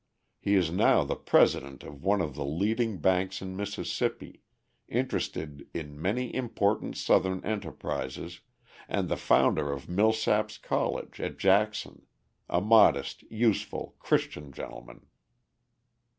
He is now the president of one of the leading banks in Mississippi, interested in many important Southern enterprises, and the founder of Millsaps College at Jackson: a modest, useful, Christian gentleman.